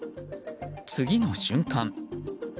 次の瞬間。